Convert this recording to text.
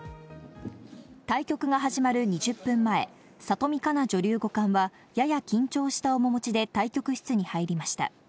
対局が始まる２０分前、里見香奈女流五冠はやや緊張した面持ちで対局室に入りました。